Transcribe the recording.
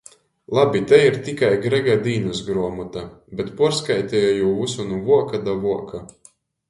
Labi, tei ir "tikai" Grega dīnysgruomota. Bet puorskaiteja jū vysu nu vuoka da vuoka.